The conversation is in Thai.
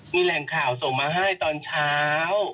มีแหล่งข่าวส่งมาให้ตอนเช้า